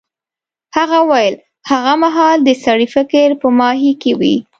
هغه وویل هغه مهال د سړي فکر په ماهي کې وي.